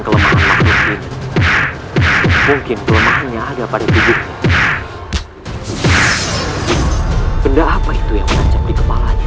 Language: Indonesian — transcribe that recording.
kelemahan mungkin mungkin kelemahannya ada pada gigi benda apa itu yang